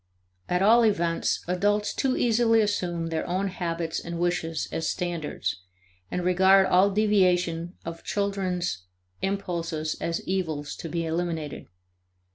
At all events, adults too easily assume their own habits and wishes as standards, and regard all deviations of children's impulses as evils to be eliminated.